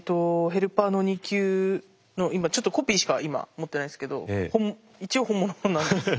ヘルパーの２級の今ちょっとコピーしか今持ってないですけど一応本物なんです。